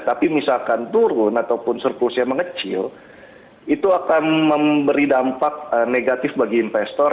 tapi misalkan turun ataupun surplusnya mengecil itu akan memberi dampak negatif bagi investor